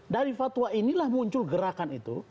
dari fatwa inilah muncul gerakan itu